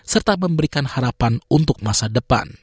serta memberikan harapan untuk masa depan